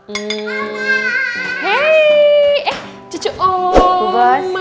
apoi bekerja sama perempuan juga